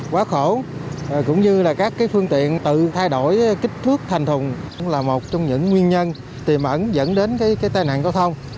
quá khổ cũng như là các phương tiện tự thay đổi kích thước thành thùng cũng là một trong những nguyên nhân tiềm ẩn dẫn đến tai nạn giao thông